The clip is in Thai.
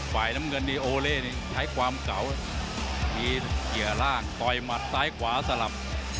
ฝ่ายน้ำเงินนี่โอเล่นี่ใช้ความเก่ามีเกียร์ร่างต่อยหมัดซ้ายขวาสลับ